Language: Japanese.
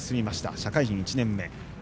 社会人１年目。